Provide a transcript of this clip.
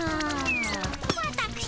わたくしも。